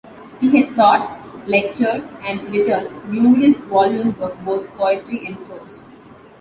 He has taught, lectured and written numerous volumes of both poetry and prose.